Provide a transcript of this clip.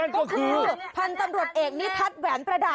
ก็คือท่านตำรวจเอกนี้พัดแหวนประดับค่ะ